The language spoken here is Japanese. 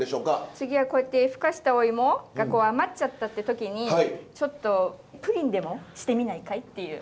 次はこうやってふかしたおいもが余っちゃったって時にちょっとプリンでもしてみないかい？っていう感じで。